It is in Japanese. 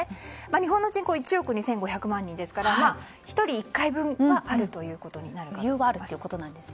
日本の人口１億２５００万人ですから１人１回分はあるということになることになります。